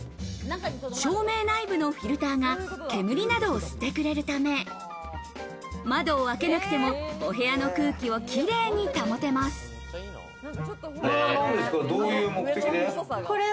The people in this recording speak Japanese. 照明内部のフィルターが煙などを吸ってくれるため窓を開けなくても、お部屋の空気をどういう目的で？